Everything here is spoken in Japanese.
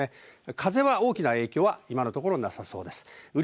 風は大きな影響は今のところなさそうです。